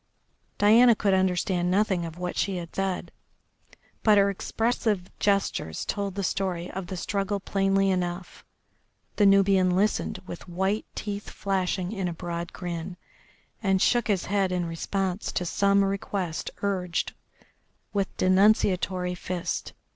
Diana could understand nothing of what she said, but her expressive gestures told the story of the struggle plainly enough. The Nubian listened with white teeth flashing in a broad grin, and shook his head in response to some request urged with denunciatory fist.